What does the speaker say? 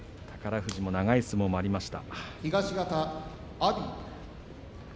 富士長い相撲もありました。